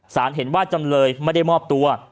เห็นว่าจำเลยไม่ได้มอบตัว